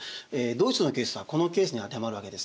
ドイツのケースはこのケースに当てはまるわけですね。